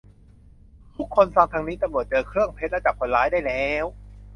ทุกคนฟังทางนี้ ตำรวจเจอเครื่องเพชรและจับคนร้ายได้แล้ว